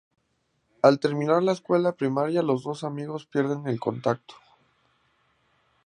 Al terminar la escuela primaria los dos amigos pierden el contacto.